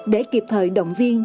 để kịp thời động viên